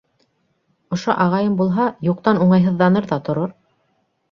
Ошо ағайым булһа, юҡтан уңайһыҙҙаныр ҙа торор...